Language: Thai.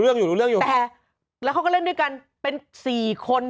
อยู่รู้เรื่องอยู่แต่แล้วเขาก็เล่นด้วยกันเป็นสี่คน